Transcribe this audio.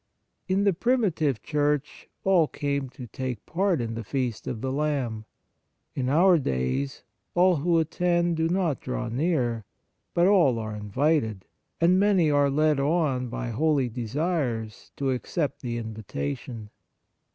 In the primitive Church, all came to take part in the feast of the Lamb. In our days, all who attend do not draw near, but all are invited, and many are led on by holy desires to 79 On the Exercises of Piety accept the invitation.